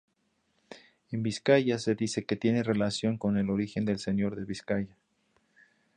En Vizcaya se dice que tiene relación con el origen del señor de Vizcaya.